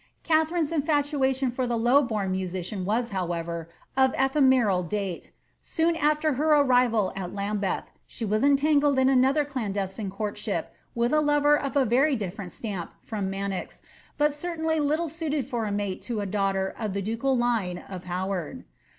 Ka tharine's infatuation for the low bom musician was, however, of ephe Aeial date ; soon aAer her arrival at Lambeth, she was entangled in another clandestine courtship with a lover of a very different stamp from Bfanoz, but certainly little suited for a mate to a daughter of the ducal line of Howard.